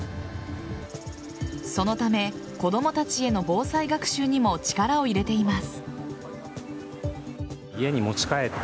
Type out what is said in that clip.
そのため子供たちへの防災学習にも力を入れています。